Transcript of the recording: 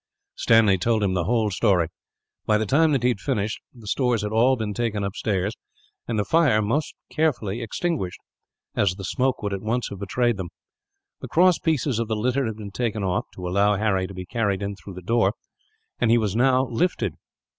Stanley told him the whole story. By the time that he had finished, the stores had all been taken upstairs; and the fire most carefully extinguished, as the smoke would at once have betrayed them. The cross pieces of the litter had been taken off, to allow Harry to be carried in through the door, and he was now lifted.